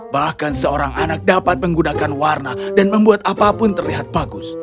bahkan seorang anak dapat menggunakan warna dan membuat apapun terlihat bagus